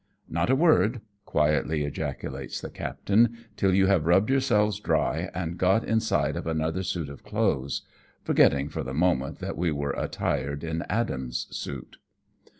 "Not a word," quietly ejaculates the captain, " till you have rubbed yourselves dry, and got inside of another suit of clothes ;" forgetting for the moment that we were attired in Adam's suit.